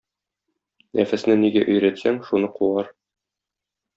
Нәфесне нигә өйрәтсәң, шуны куар.